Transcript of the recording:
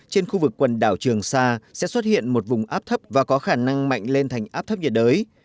trên khu vực quần đảo trường sa sẽ xuất hiện một vùng áp thấp và có khả năng mạnh lên thành áp thấp nhiệt đới